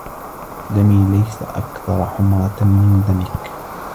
دمي ليس أكثر حمرة من دمك.